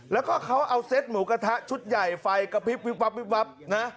แล้วก็เขาเอาเซตหมูกระทะชุดใหญ่ไฟกระพริบวิบวับวิบวับนะ